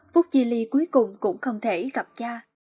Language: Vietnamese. phút chi ly cuối cùng cũng không thể gặp cha